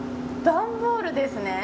段ボールですね。